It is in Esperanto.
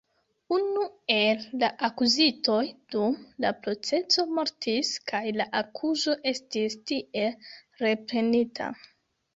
Unu el la akuzitoj dum la proceso mortis, kaj la akuzo estis tiel reprenita.